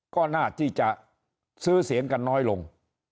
ก็น่าที่จะซื้อเสียงกันน้อยลง